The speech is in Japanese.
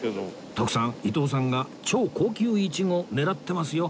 徳さん伊東さんが超高級イチゴ狙ってますよ